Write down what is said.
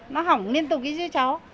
nó hỏng liên tục ý chứ cháu